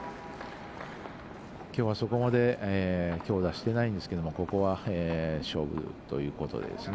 きょうはそこまで強打してないんですけどここは、勝負ということですね。